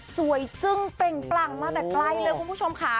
สวยจึ้งเป็นกันมาแต่ใกล้เลยคุณผู้ชมค่ะ